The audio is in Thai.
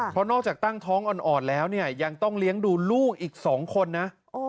เพราะนอกจากตั้งท้องอ่อนแล้วเนี่ยยังต้องเลี้ยงดูลูกอีก๒คนนะ